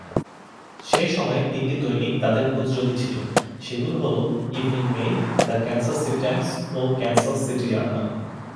সে সময়ে তিনটি দৈনিক তাদের প্রতিযোগী ছিল, সেগুলো হল "Evening Mail", "The Kansas City Times", ও "ক্যানসাস সিটি জার্নাল"।